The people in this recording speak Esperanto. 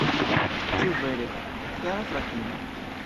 Ĉu vere, kara fratino?